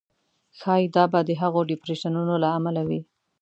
ښایي دا به د هغو ډېپریشنونو له امله وي.